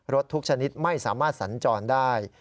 ทุกชนิดไม่สามารถสัญจรได้